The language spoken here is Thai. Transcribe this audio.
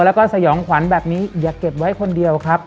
แล้วก็สยองขวัญแบบนี้อย่าเก็บไว้คนเดียวครับ